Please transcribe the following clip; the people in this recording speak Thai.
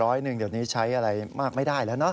หนึ่งเดี๋ยวนี้ใช้อะไรมากไม่ได้แล้วเนอะ